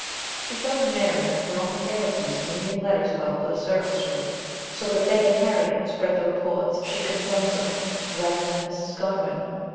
She shows Mary her own carelessness in leaving letters about for the servants to read, so that they and Harriet spread the reports she complians of rather than Mrs. Godwin.